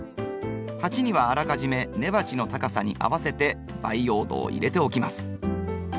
鉢にはあらかじめ根鉢の高さに合わせて培養土を入れておきます。